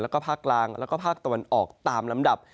แล้วก็ภาคกลางแล้วก็ภาคตะวันออกตามลำดับ